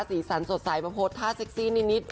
สีสันสดใสภพดท่าเซ็กซี่นิด